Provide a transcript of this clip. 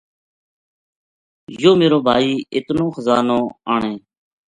یوہ میرو بھائی اِتنو خزانو آنے